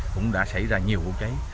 cũng đã xảy ra nhiều vụ cháy